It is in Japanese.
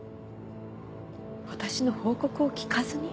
私の報告を聞かずに？